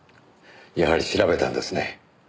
やはり調べたんですね。